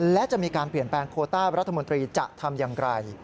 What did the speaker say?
และจะมีการเปลี่ยนแปลงโคต้ารัฐมนตรีจะทำอย่างไร